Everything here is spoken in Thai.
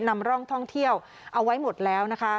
นำร่องท่องเที่ยวเอาไว้หมดแล้วนะคะ